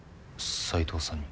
斎藤さんに？